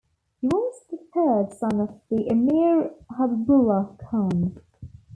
He was the third son of the Emir Habibullah Khan.